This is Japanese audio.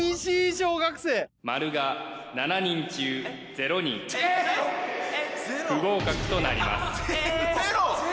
小学生○が７人中０人不合格となりますゼロ？